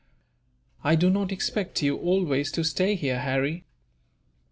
"I do not expect you always to stay here, Harry.